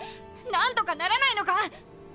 なんとかならないのか！？